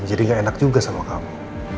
jadi gak enak juga sama kamu